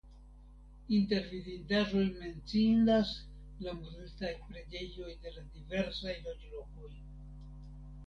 Inter vidindaĵoj menciindas la multaj preĝejoj de la diversaj loĝlokoj.